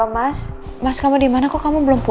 mas al tidak bersimpan dari masa lalu